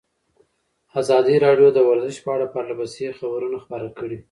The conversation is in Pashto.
ازادي راډیو د ورزش په اړه پرله پسې خبرونه خپاره کړي.